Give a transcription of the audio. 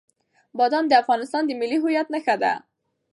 بادام د افغانستان د ملي هویت نښه ده.